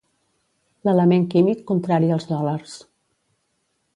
L'element químic contrari als dòlars.